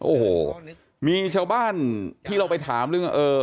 โอ้โหมีชาวบ้านที่เราไปถามเรื่องเออ